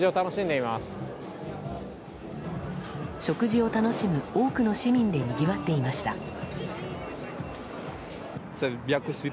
食事を楽しむ多くの市民でにぎわっていました。